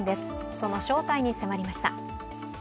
その正体に迫りました。